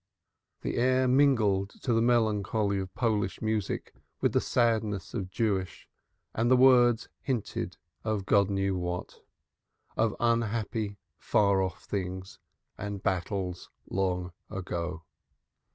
The air mingled the melancholy of Polish music with the sadness of Jewish and the words hinted of God knew what. "Old unhappy far off things And battles long ago."